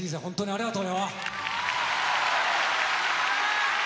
ありがとう！